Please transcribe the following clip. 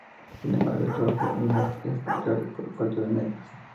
Sin embargo, el trabajo de la misma es precario, por falta de medios.